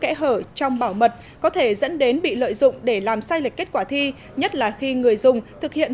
kẽ hở trong bảo mật có thể dẫn đến bị lợi dụng để làm sai lệch kết quả thi nhất là khi người dùng thực hiện